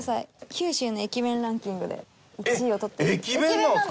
九州の駅弁ランキングで１位を取った駅弁なんです。